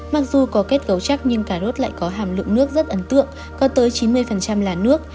mặc dù có kết cấu chắc nhưng cà rốt lại có hàm lượng nước rất ấn tượng có tới chín mươi là nước